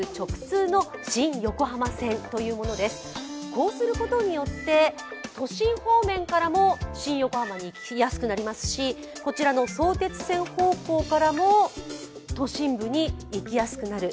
こうすることによって都心方面からも新横浜に行きやすくなりますしこちらの相鉄線方向からも都心部に行きやすくなる。